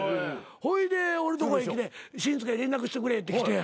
ほいで俺のとこへ来て紳助連絡してくれってきて。